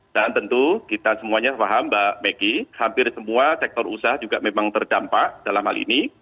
dan tentu kita semuanya paham mbak meggy hampir semua sektor usaha juga memang terdampak dalam hal ini